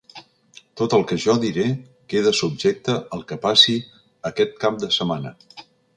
Tot el que jo diré, queda subjecte al què passi aquest cap de setmana.